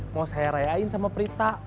mau saya reain sama prita